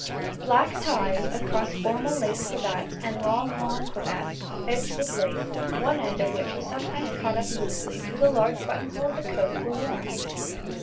] Black ties across formal lace cravats, and long lawn cravats, edged with lace, one end of which was sometimes caught up loosely through the large buttonhole of the coat were worn.